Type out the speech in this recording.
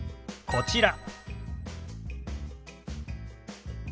こちら。